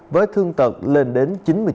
với thương tật lên đến chín mươi chín